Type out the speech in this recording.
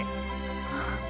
あっ！